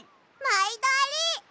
まいどあり！